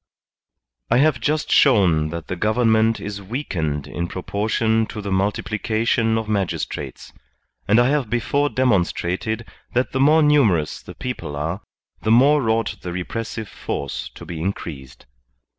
I have just shown that the government is weakened in proportion to the multiplication of magistrates, and I have before demonstrated that the more numerous the people are, the more ought the repressive force to be increased.